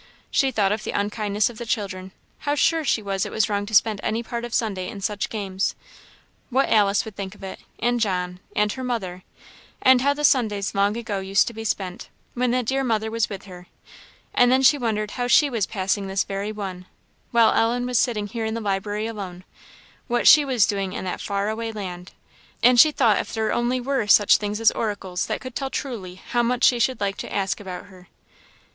She thought of the unkindness of the children; how sure she was it was wrong to spend any part of Sunday in such games; what Alice would think of it, and John, and her mother; and how the Sundays long ago used to be spent, when that dear mother was with her; and then she wondered how she was passing this very one while Ellen was sitting here in the library alone, what she was doing in that far away land; and she thought if there only were such things as oracles that could tell truly, how much she should like to ask about her.